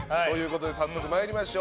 早速参りましょう。